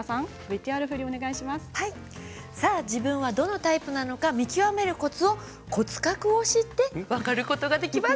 じゃあ自分はどのタイプなのか見極めるコツを骨格を知って分かることができます。